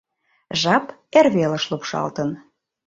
Жап эр велыш лупшалтын.